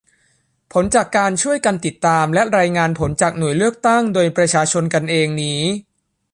ผลจากการช่วยกันติดตามและรายงานผลจากหน่วยเลือกตั้งโดยประชาชนกันเองนี้